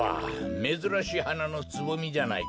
めずらしいはなのつぼみじゃないか。